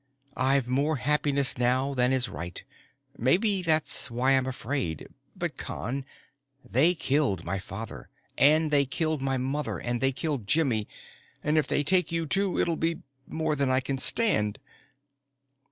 I've more happiness now than is right. Maybe that's why I'm afraid. But, Con, they killed my father and they killed my mother and they killed Jimmy, and if they take you too, it'll be more than I can stand."